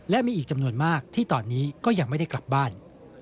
และมีอีกจำนวนมากที่ตอนนี้ก็ยังไม่ได้กลับบ้าน